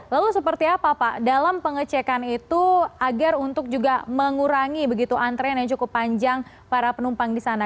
lalu seperti apa pak dalam pengecekan itu agar untuk juga mengurangi begitu antrean yang cukup panjang para penumpang di sana